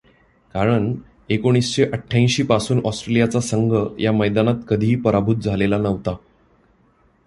कारण एकोणीसशे अठ्याऐंशी पासून ऑस्ट्रेलियाचा संघ या मैदानात कधीही पराभूत झालेला नव्हता.